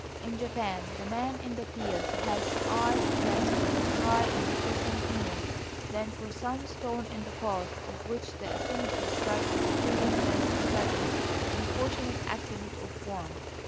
In Japan the man in the fields has eyes less for the sky and the crescent moon than for some stone in the path, of which the asymmetry strikes his curious sense of pleasure in fortunate accident of form.